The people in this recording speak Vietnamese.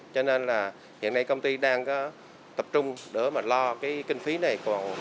cho nên hiện nay công ty đang tập trung để lo kinh phí này